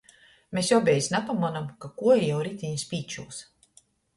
Mes obejis napamonom, ka kuoja jau ritiņa spīčūs...